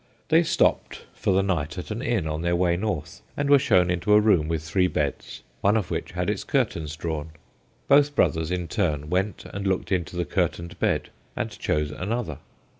They stopped for the night at an inn on their way north, and were shown into a room with three beds, one of which had its curtains drawn. Both brothers in turn went and looked into the curtained bed and chose another.